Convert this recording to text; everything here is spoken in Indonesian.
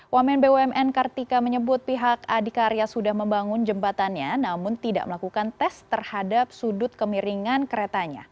wamen bumn kartika menyebut pihak adikarya sudah membangun jembatannya namun tidak melakukan tes terhadap sudut kemiringan keretanya